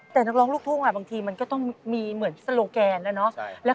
แต่นักร้องลูกทุ่งบางทีมันก็ต้องมีเหมือนโซโลแกนแล้วเนาะ